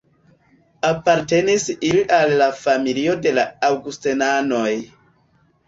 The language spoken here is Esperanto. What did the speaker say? Apartenis ili al la familio de la Aŭgustenanoj.